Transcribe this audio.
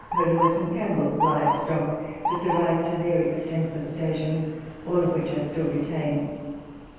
Curlewis and Campbell's live stock, with the right to their extensive stations, all which I still retain.